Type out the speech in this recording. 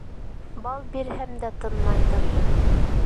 Бал бирһәм дә тынмайҙыр...